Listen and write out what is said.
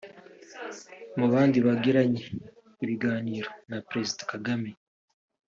Mu bandi bagiranye ibiganiro na Perezida Kagame